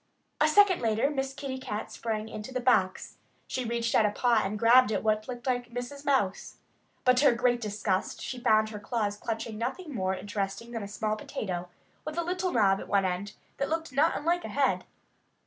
A second later Miss Kitty Cat sprang into the box. She reached out a paw and grabbed at what looked like Mrs. Mouse. But to her great disgust she found her claws clutching nothing more interesting than a small potato, with a little knob at one end that looked not unlike a head.